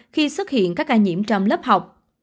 khi xuất hiện các ca nhiễm trong lớp học